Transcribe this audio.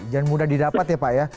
dan mudah didapat ya pak ya